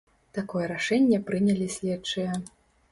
Такое рашэнне прынялі следчыя.